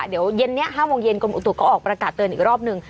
เดี๋ยวเย็นนี้๕โมงเย็นกรมอุตุก็ออกประกาศเตือนอีกรอบนึง